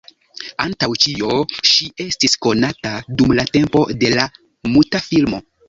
Antaŭ ĉio ŝi estis konata dum la tempo de la muta filmo.